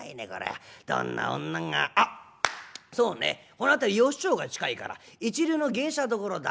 この辺り芳町が近いから一流の芸者どころだ。